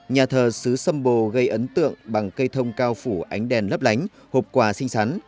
nhà thờ xứ sâm bồ gây ấn tượng bằng cây thông cao phủ ánh đèn lấp lánh hộp quà xinh xắn